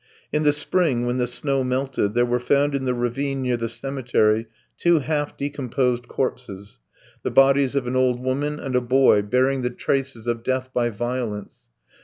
In the spring when the snow melted there were found in the ravine near the cemetery two half decomposed corpses the bodies of an old woman and a boy bearing the traces of death by violence.